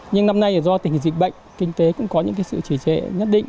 nhưng năm nay do tình dịch bệnh kinh tế cũng có những sự trì trệ nhất định